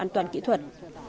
an toàn kỹ thuật